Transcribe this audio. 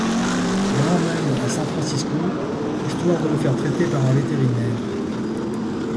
On l’emmène à San Francisco, histoire de le faire traiter par un vétérinaire.